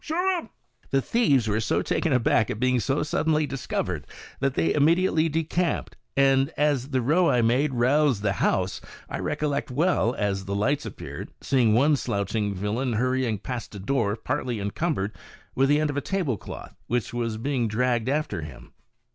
shoot them I" The thieves were so taken aback at being so suddenly discovered, that they immediately decamped, and as the row I made roused the house, I recollect well, as the lights appeared, seeing one slouching villain hurrying past a door partly encumbered with the end of a tablecloth, which was being dragged after him.